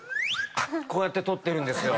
こうやって撮ってるんですよ。